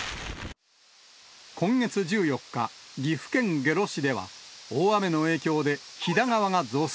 今月１４日、岐阜県下呂市では大雨の影響で飛騨川が増水。